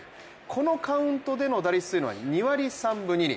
このカウントでの打率は２割３分２厘。